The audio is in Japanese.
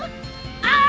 ああ！